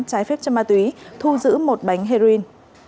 trái phép chất ma túy thu giữ một bánh heroin